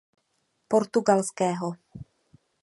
Portugalského.